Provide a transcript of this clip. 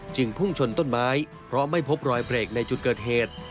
พุ่งชนต้นไม้เพราะไม่พบรอยเบรกในจุดเกิดเหตุ